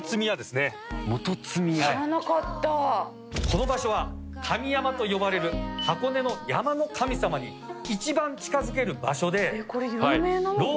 この場所は神山と呼ばれる箱根の山の神様に一番近づける場所で。